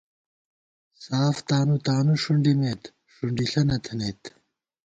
ساف تانُو تانُو ݭُنڈِمېت، ݭُنڈِݪہ نہ تھنَئیت